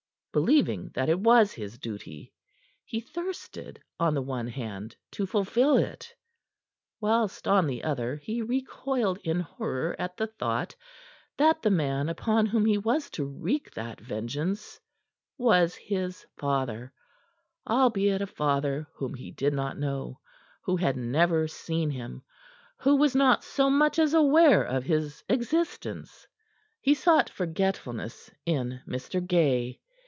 Believing that it was his duty, he thirsted on the one hand to fulfill it, whilst, on the other, he recoiled in horror at the thought that the man upon whom he was to wreak that vengeance was his father albeit a father whom he did not know, who had never seen him, who was not so much as aware of his existence. He sought forgetfulness in Mr. Gay.